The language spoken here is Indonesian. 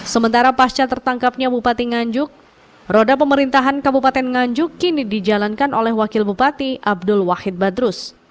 sementara pasca tertangkapnya bupati nganjuk roda pemerintahan kabupaten nganjuk kini dijalankan oleh wakil bupati abdul wahid badrus